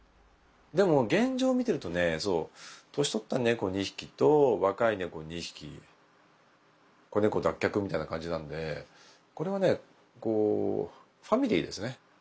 でも現状見てるとねそう年取った猫２匹と若い猫２匹子猫脱却みたいな感じなんでこれはねファミリーですね。